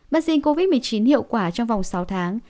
vaccine covid một mươi chín hiệu quả trong vòng sáu tháng